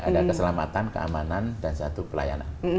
ada keselamatan keamanan dan satu pelayanan